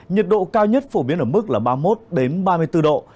nhiệt độ cao nhất phổ biến ở mức là ba mươi một ba mươi bốn độ